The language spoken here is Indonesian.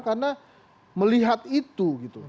karena melihat itu